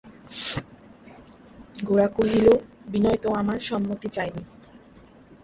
গোরা কহিল, বিনয় তো আমার সম্মতি চায় নি।